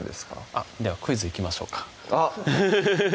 あっではクイズいきましょうかあっ！